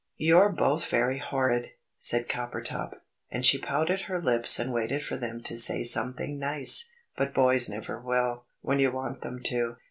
"You're both very horrid!" said Coppertop, and she pouted her lips and waited for them to say something nice. But boys never will, when you want them to.